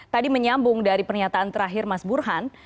tadi menyambung dari pernyataan terakhir mas burhan